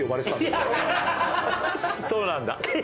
そうなんだ。